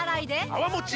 泡もち